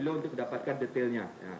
untuk mendapatkan detailnya